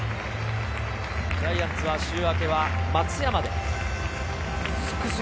ジャイアンツは週明け、松山で。